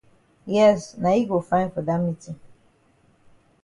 Yes na yi go fine for dat meetin.